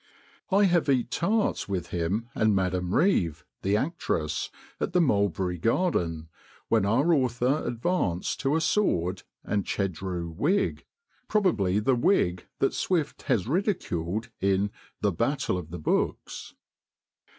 I have eat tarts with him and Madam Reeve (the actress) at the Mulberry Garden, when our author advanced to a sword and Chedreux wig (probably the wig that Swift has ridiculed in The Battle of the Books).